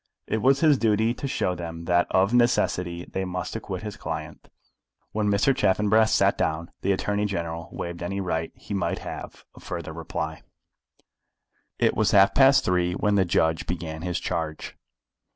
It was his duty to show them that, of necessity, they must acquit his client. When Mr. Chaffanbrass sat down, the Attorney General waived any right he might have of further reply. It was half past three when the judge began his charge.